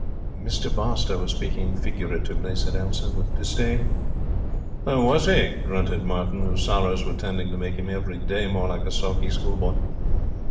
'Mr Barstowe was speaking figuratively,' said Elsa, with disdain. 'Was he?' grunted Martin, whose sorrows were tending to make him every day more like a sulky schoolboy.